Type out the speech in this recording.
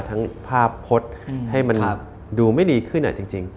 ทั้งภาพพจน์ให้มันดูไม่ดีขึ้นจริง